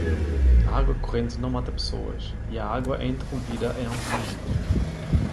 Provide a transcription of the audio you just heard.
A água corrente não mata pessoas e a água é interrompida em algum momento.